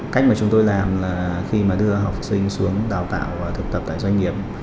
cách mà chúng tôi làm là khi mà đưa học sinh xuống đào tạo và thực tập tại doanh nghiệp